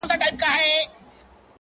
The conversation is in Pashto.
چي پوچخولی دي وي